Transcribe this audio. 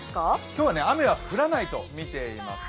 今日は雨は降らないとみています。